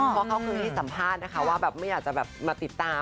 เพราะเขาเคยให้สัมภาษณ์นะคะว่าแบบไม่อยากจะแบบมาติดตาม